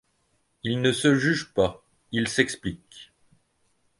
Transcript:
Ils ne se jugent pas : ils s’expliquent.